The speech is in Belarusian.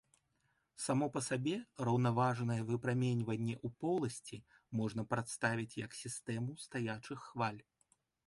Само па сабе, раўнаважнае выпраменьванне ў поласці можна прадставіць як сістэму стаячых хваль.